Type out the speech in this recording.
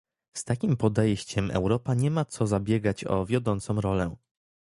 Z takim podejściem Europa nie ma co zabiegać o wiodącą rolę